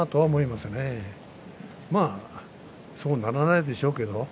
まあそうならないでしょうけれど。